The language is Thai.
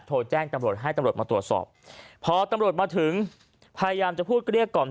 โทรแจ้งตำลดให้ตำลดมาตรวจสอบพอตำลดมาถึงพยายามจะพูดกระเรียกก่อน